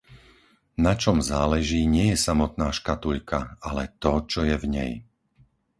Na čom záleží nie je samotná škatuľka, ale to, čo je v nej.